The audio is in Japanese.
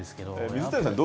水谷さん